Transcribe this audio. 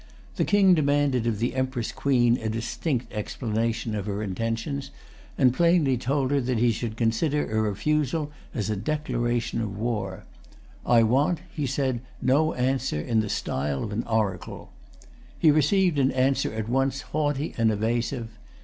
The King demanded of the Empress Queen a distinct explanation of her intentions, and plainly told her that he should consider a refusal as a declaration of war. "I want,"[Pg 304] he said, "no answer in the style of an oracle." He received an answer at once haughty and evasive.